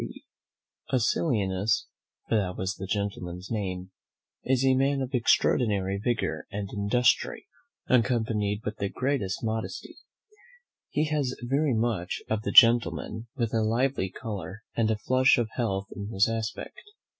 "Acilianus," for that was the gentleman's name, "is a man of extraordinary vigour and industry, accompanied with the greatest modesty: he has very much of the gentleman, with a lively colour, and flush of health in his aspect.